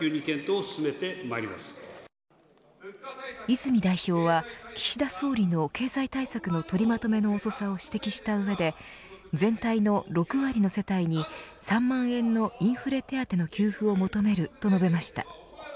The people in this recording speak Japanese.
泉代表は、岸田総理の経済対策の取りまとめの遅さを指摘した上で全体の６割の世帯に３万円のインフレ手当の給付を求めると述べました。